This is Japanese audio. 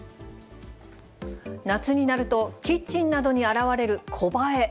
夏になると、キッチンなどに現れるコバエ。